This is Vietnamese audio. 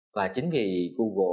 và chính vì google